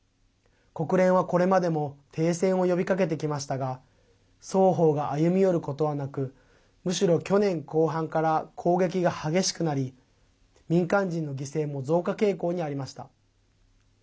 国連はこれまでも停戦を呼びかけてきましたが双方が歩み寄ることはなくむしろ去年後半から攻撃が激しくなり民間人の犠牲も増加傾向にありました。